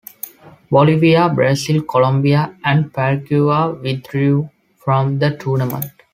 Bolivia, Brazil, Colombia and Paraguay withdrew from the tournament.